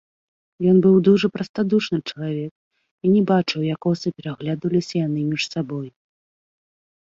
Ён быў дужа прастадушны чалавек і не бачыў, як коса пераглядаліся яны між сабой.